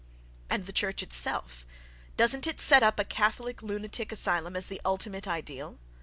And the church itself—doesn't it set up a Catholic lunatic asylum as the ultimate ideal?